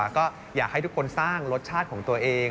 ก็อยากให้ทุกคนสร้างรสชาติของตัวเอง